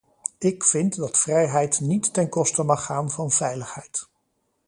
Ik vind dat vrijheid niet ten koste mag gaan van veiligheid.